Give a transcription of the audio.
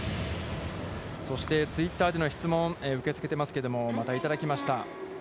そして、ツイッターでの質問を受け付けていますけど、また、いただきました。